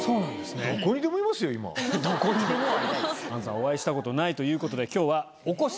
お会いしたことないということで今日はお越しいただきました。